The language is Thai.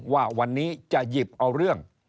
ว่าวันนี้จะหยิบเอาเรื่อง